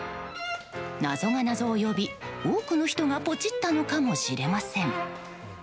謎が謎を呼び、多くの人がポチったのかもしれません。